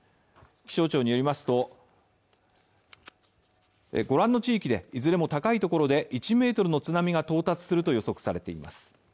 気象庁によりますと、ご覧の地域で、いずれも高いところで１ｍの津波が到達すると予測されています。